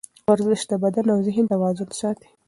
ورزش د بدن او ذهن توازن ساتي.